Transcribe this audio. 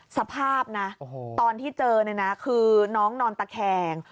สภาพนะตอนที่เจอนะคือน้องนอนปลาแขง